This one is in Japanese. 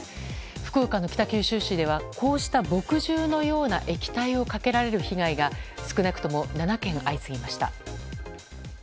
福岡の北九州市ではこうした墨汁のような液体をかけられる被害が少なくとも７件相次ぎました。